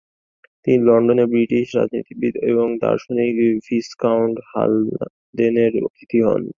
তিনি লন্ডনে ব্রিটিশ রাজনীতিবিদ এবং দার্শনিক ভিসকাউন্ট হালদেনের অতিথি হন।